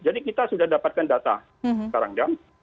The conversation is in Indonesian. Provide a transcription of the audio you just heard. jadi kita sudah dapatkan data sekarang kan